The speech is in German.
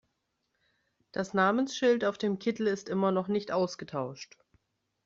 Das Namensschild auf dem Kittel ist immer noch nicht ausgetauscht.